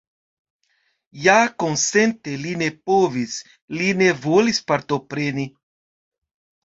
Ja konsenti li ne povis, li ne volis partopreni.